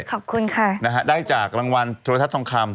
ขอบคุณค่ะนะฮะได้จากรางวัลโทรทัศนทองคำ